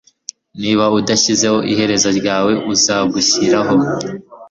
niba udashizeho iherezo ryawe, uzagushiraho